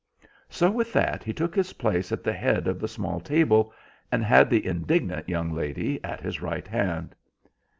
So with that he took his place at the head of the small table, and had the indignant young lady at his right hand.